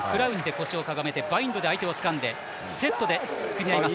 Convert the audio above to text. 腰をかがめて、バインドで重ねてセットで組み合います。